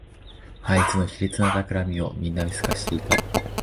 あいつの卑劣なたくらみをみんな見透かしていた